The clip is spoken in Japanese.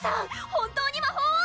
本当に魔法を？